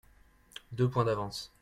Deux points d'avance.